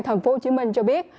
thành phố hồ chí minh cho biết